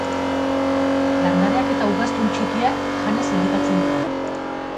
Landareak eta ugaztun txikiak janez elikatzen dira.